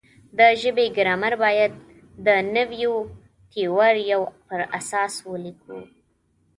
د ژبې ګرامر باید د نویو تیوریو پر اساس ولیکو.